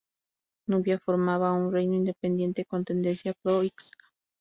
Nubia formaba un reino independiente, con tendencia pro-hicsa.